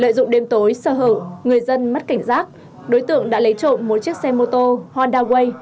lợi dụng đêm tối sơ hở người dân mất cảnh giác đối tượng đã lấy trộm một chiếc xe mô tô honda way